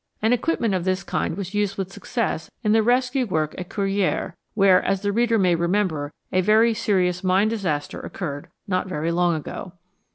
An equip ment of this kind was used with success in the rescue work at Courrieres, where, as the reader may remember, a very serious mine disaster occurred not very long ago.